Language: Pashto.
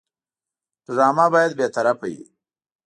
ډرامه باید بېطرفه وي